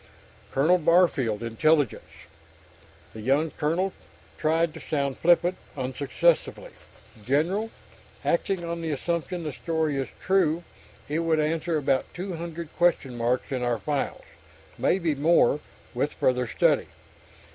"Colonel Barfield, Intelligence?" The young colonel tried to sound flippant, unsuccessfully. "General, acting on the assumption the story is true, it would answer about two hundred question marks in our files. Maybe more, with further study."